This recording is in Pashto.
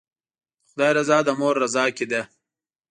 د خدای رضا د مور رضا کې ده.